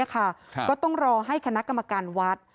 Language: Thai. ก็ต้องรอให้คณะกรรมการวัด